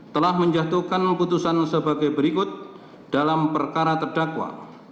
telah menjatuhkan putusan sebagai berikut dalam perkara terdakwa